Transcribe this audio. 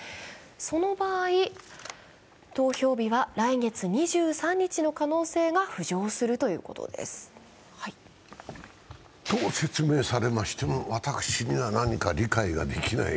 その場合、投票日は来月２３日の可能性が浮上するということです。と、説明されても私には何か理解ができない。